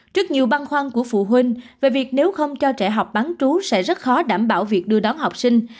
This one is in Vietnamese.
trước nhiều băng khoăn của phụ huynh về việc nếu không cho trẻ học bán trú sẽ rất khó đảm bảo việc đưa đón học sinh